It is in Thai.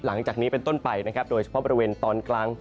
หลังจากนี้เป็นต้นไปนะครับโดยเฉพาะบริเวณตอนกลาง